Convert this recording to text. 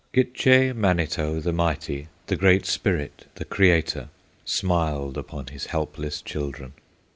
Gitche Manito, the mighty, The Great Spirit, the creator, Smiled upon his helpless children!